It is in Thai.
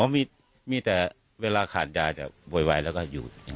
มีแต่เวลาขาดยาจะโวยวายแล้วก็อยู่